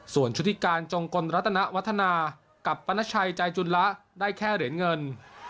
ส่วนชุธิการจงกลรัตนวัฒนากับปรณชัยใจจุลละได้แค่เหรียญเงิน